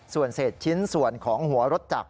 ส่วนเศษชิ้นส่วนของหัวรถจักร